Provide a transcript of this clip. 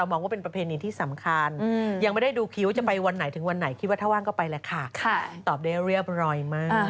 มองว่าเป็นประเพณีที่สำคัญยังไม่ได้ดูคิ้วจะไปวันไหนถึงวันไหนคิดว่าถ้าว่างก็ไปแหละค่ะตอบได้เรียบร้อยมาก